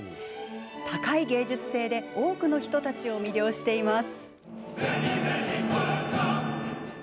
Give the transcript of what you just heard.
高い芸術性で多くの人たちを魅了しています。